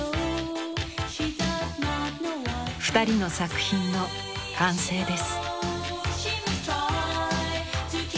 ２人の作品の完成です。